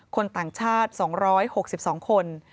คนต่างชาติ๒๖๒คน